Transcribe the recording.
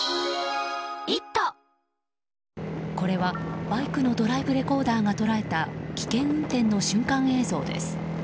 これは、バイクのドライブレコーダーが捉えた危険運転の瞬間映像です。